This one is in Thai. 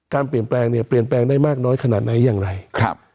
การเปลี่ยนแปลงเนี่ยเปลี่ยนแปลงได้มากน้อยขนาดไหนอย่างไรครับ